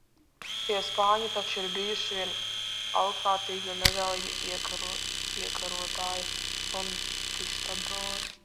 Tie spāņi taču ir bijuši vieni alkatīgi un nežēlīgi iekarotāji- konkistadori.